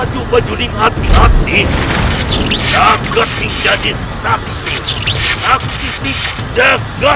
apabila digabungkan memang sepuluh kali lebih keras dari satannya